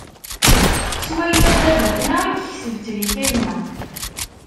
S wayla n baba-tneɣ i yekseb ttrika inna.